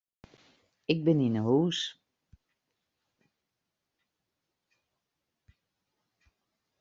Ik bin yn 'e hûs.